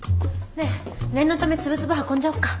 ねえ念のためつぶつぶ運んじゃおうか。